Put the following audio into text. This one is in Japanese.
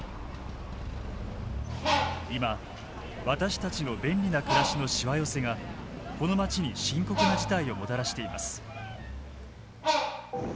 今私たちの便利な暮らしのしわ寄せがこの街に深刻な事態をもたらしています。